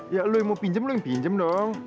ya lo yang mau pinjam lu yang pinjam dong